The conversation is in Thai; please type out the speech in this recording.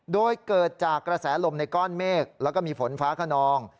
โดยเกิดจากกระแสลมในก้อนเมฆแล้วก็มีฝนฟ้าขนอง